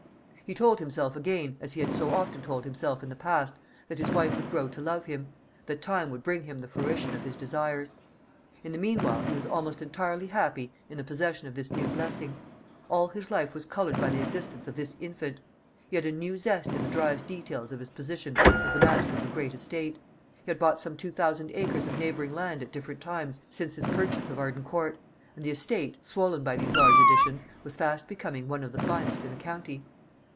He told himself again, as he had so often told himself in the past, that his wife would grow to love him that time would bring him the fruition of his desires. In the meanwhile he was almost entirely happy in the possession of this new blessing. All his life was coloured by the existence of this infant. He had a new zest in the driest details of his position as the master of a great estate. He had bought some two thousand acres of neighbouring land at different times since his purchase of Arden Court; and the estate, swollen by these large additions, was fast becoming one of the finest in the county.